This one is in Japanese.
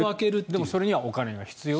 でもそれにはお金が必要。